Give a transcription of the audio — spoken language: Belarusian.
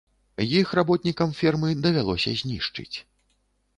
Іх работнікам фермы давялося знішчыць.